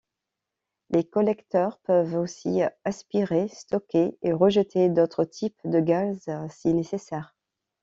Ces collecteurs peuvent aussi aspirer, stocker et rejeter d'autres types de gaz si nécessaire.